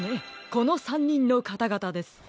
この３にんのかたがたです。